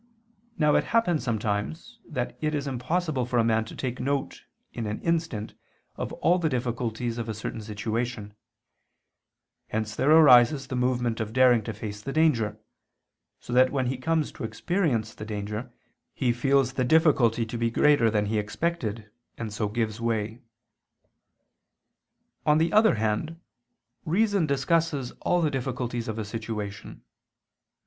Now it happens sometimes that it is impossible for a man to take note in an instant of all the difficulties of a certain situation: hence there arises the movement of daring to face the danger; so that when he comes to experience the danger, he feels the difficulty to be greater than he expected, and so gives way. On the other hand, reason discusses all the difficulties of a situation.